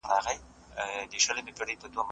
چي د شېخ د سر جنډۍ مي نڅوله